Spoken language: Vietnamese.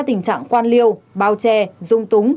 tình trạng quan liêu bao che dung túng